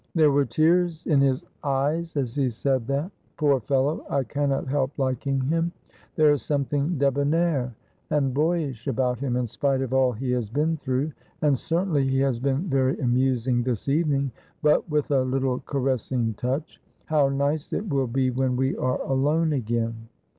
"There were tears in his eyes as he said that. Poor fellow, I cannot help liking him. There is something débonnaire and boyish about him, in spite of all he has been through, and certainly he has been very amusing this evening, but," with a little caressing touch, "how nice it will be when we are alone again!"